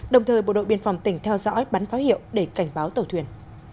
đồng thời bộ đội biên phòng tỉnh theo dõi bắn pháo hiệu để cảnh báo tàu thuyền